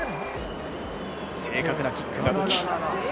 正確なキックが武器。